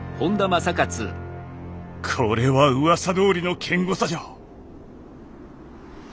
これはうわさどおりの堅固さじゃ。